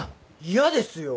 嫌ですよ。